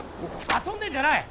遊んでんじゃない！